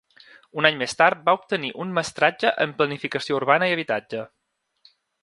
Un any més tard va obtenir un mestratge en planificació urbana i habitatge.